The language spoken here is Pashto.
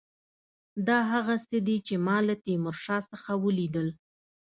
دا هغه څه دي چې ما له تیمورشاه څخه ولیدل.